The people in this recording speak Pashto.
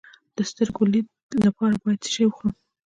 د سترګو د لید لپاره باید څه شی وخورم؟